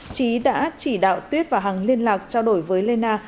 trí đã chỉ đạo tuyết và hằng liên lạc trao đổi với lê na